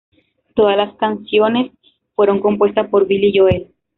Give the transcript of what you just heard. Todas las canciones fueron compuestas por Billy Joel.